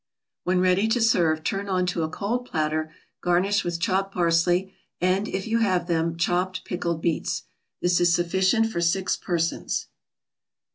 When ready to serve, turn on to a cold platter, garnish with chopped parsley, and, if you have them, chopped pickled beets. This is sufficient for six persons.